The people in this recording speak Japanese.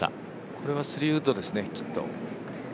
これは３ウッドですね、きっと。